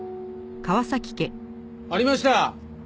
ありました！